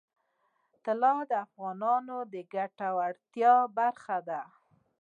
طلا د افغانانو د ګټورتیا برخه ده.